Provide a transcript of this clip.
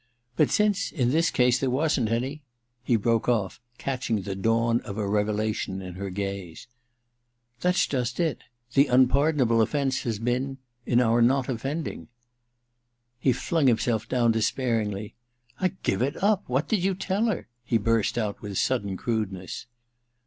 ^ But since, in this case, there wasn't any ' He broke off, catching the dawn of a revelation in her gaze. * That's just it. The unpardonable offence has been — in our not offending.' He flung himself down despairingly. *I give it up !— ^What did you tell her ?' he burst out with sudden crudeness.